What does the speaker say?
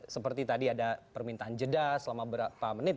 seperti tadi ada permintaan jeda selama berapa menit